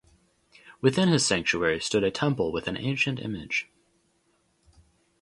Within his sanctuary stood a temple with an ancient image.